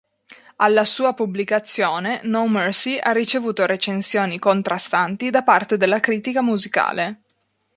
Alla sua pubblicazione "No Mercy" ha ricevuto recensioni contrastanti da parte della critica musicale.